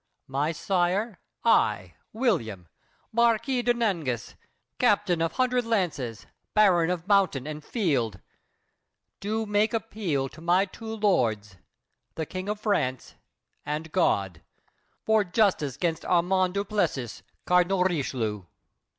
My sire, I, William, Marquis de Nangis, Captain Of Hundred Lances, Baron of Mountain And Field, do make appeal to my two lords— The King of France and God, for justice 'gainst Armand du Plessis, Cardinal Richelieu.